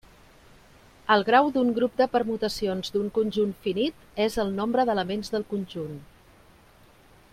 El grau d'un grup de permutacions d'un conjunt finit és el nombre d'elements del conjunt.